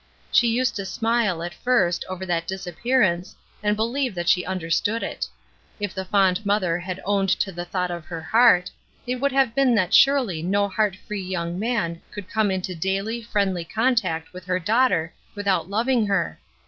She used to smile, at first, over that disappearance, and believe that she understood it. If the fond mother had owned to the thought of her heart, it would have been that surely no heart free young man could come into daily, friendly contact with her daughter without loving her.